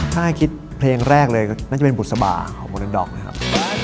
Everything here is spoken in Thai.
ถ้าให้คิดเพลงแรกเลยก็น่าจะเป็นบุษบาของโมเดนดองนะครับ